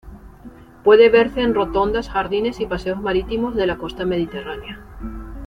Puede verse en rotondas, jardines y paseos marítimos de la costa mediterránea.